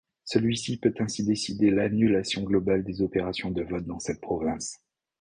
Celui-ci peut ainsi décider l'annulation globale des opérations de vote dans cette province.